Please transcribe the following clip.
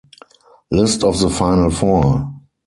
List of the final four.